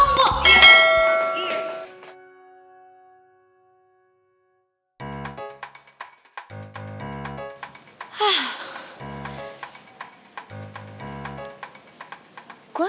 ini gue mau ngomongin ke teman teman gue